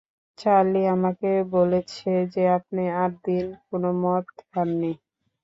Charlie আমাকে বলেছে যে আপনি আট দিন কোনো মদ খাননি।